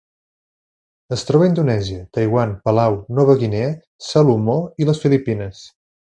Es troba a Indonèsia, Taiwan, Palau, Nova Guinea, Salomó i les Filipines.